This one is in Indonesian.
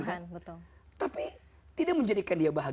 tuhan betul tapi tidak menjadikan dia dekat dengan tuhan ya